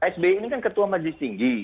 sby ini kan ketua majlis tinggi